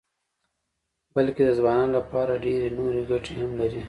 بلکې د ځوانانو لپاره ډېرې نورې ګټې هم لري.